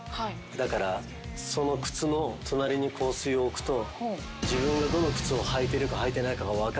だからその靴の隣に香水を置くと自分がどの靴を履いてるか履いてないかが分かるから。